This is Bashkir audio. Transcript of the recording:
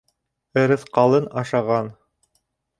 Ырыҫҡалын ашаған.